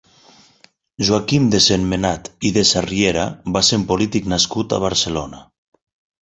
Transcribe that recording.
Joaquim de Sentmenat i de Sarriera va ser un polític nascut a Barcelona.